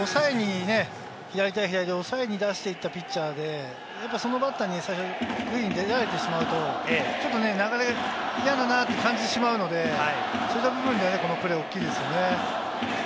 抑えに出していたピッチャーで、そのバッターに最初に塁に出られてしまうと流れ、嫌だなと感じてしまうので、そういう部分でこのプレーは大きいですね。